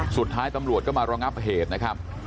สุดท้ายตำรวจก็มารองับเหตุนะครับ